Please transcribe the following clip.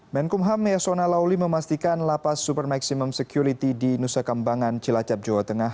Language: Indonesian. menkumham yasona lauli memastikan lapas super maximum security di nusa kambangan cilacap jawa tengah